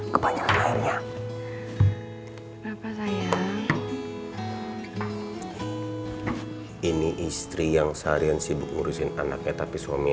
kebanyakan airnya apa saya ini istri yang seharian sibuk ngurusin anaknya tapi suami